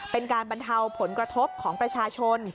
เป็นการบรรเทาผลกระทบของประชาชน